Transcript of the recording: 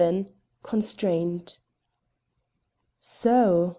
VII CONSTRAINT So!